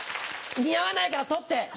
似合わないから取って！